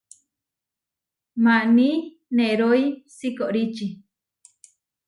Maní nerói sikoríči.